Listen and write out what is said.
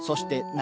何？